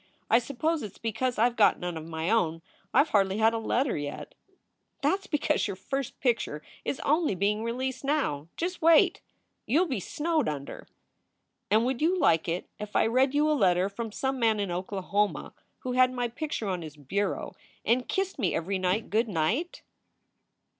I suppose it s because I ve got none of my own. I ve hardly had a letter yet." "That s because your first picture is only being released now. Just wait! You ll be snowed under." "And would you like it if I read you a letter from some man in Oklahoma who had my picture on his bureau and kissed me every night good night?"